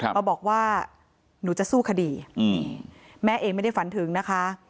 มาบอกว่าหนูจะสู้คดีแม่เองไม่ได้ฝันถึงนะคะ